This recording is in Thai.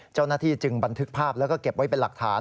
เจ้าหน้าที่จึงบันทึกภาพแล้วก็เก็บไว้เป็นหลักฐาน